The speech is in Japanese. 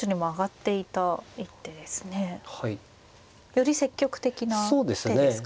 より積極的な手ですか。